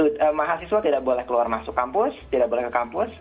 karena mahasiswa tidak boleh keluar masuk kampus tidak boleh ke kampus